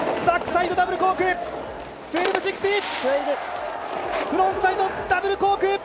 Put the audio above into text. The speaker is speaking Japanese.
バックサイドダブルコーク１２６０。